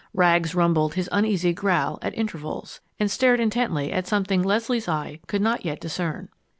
Rags still rumbled his uneasy growl at intervals, and stared intently at something Leslie's eye could not yet discern.